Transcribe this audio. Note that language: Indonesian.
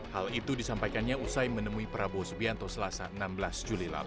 hal itu disampaikannya usai menemui prabowo subianto selasa enam belas juli lalu